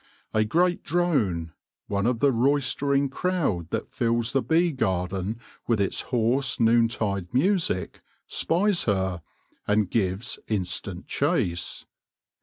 A great drone — one of the roistering crowd that fills the bee garden with its hoarse noontide music — spies her, and gives instant chase.